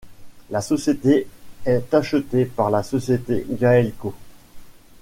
La société est achetée par la société Gaelco.